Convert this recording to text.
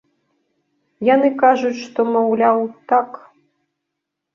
Яны кажуць, што, маўляў, так.